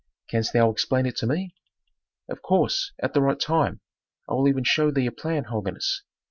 "Canst thou explain it to me?" "Of course, at the right time, I will even show thee a plan, holiness.